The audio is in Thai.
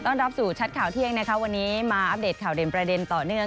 รับสู่ชัดข่าวเที่ยงนะคะวันนี้มาอัปเดตข่าวเด่นประเด็นต่อเนื่อง